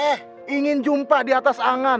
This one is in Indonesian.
eh ingin jumpa di atas angan